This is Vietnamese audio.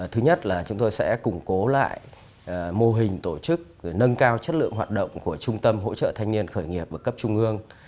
thứ nhất là chúng tôi sẽ củng cố lại mô hình tổ chức nâng cao chất lượng hoạt động của trung tâm hỗ trợ thanh niên khởi nghiệp ở cấp trung ương